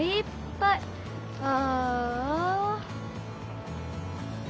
ああ。